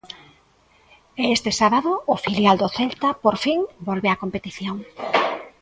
E este sábado o filial do Celta por fin volve á competición.